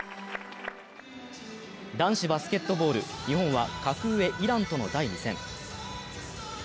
男子バスケットボール日本は格上イランとの第２戦。